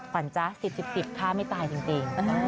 ขวัญจ๊ะสิบข้าไม่ตายจริง